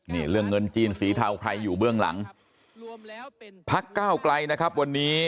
นี่เรื่องเงินจีนสีเทาใครอยู่เบื้องหลังพักก้าวไกลนะครับวันนี้